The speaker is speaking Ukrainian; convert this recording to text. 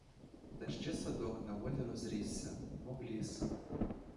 Та ще садок на волі розрісся, мов ліс.